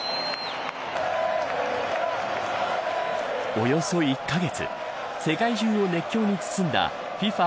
およそ１カ月世界中を熱狂に包んだＦＩＦＡ